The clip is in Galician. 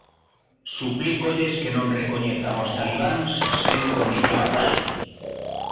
Suplícolles que non recoñezan os talibáns sen condicións.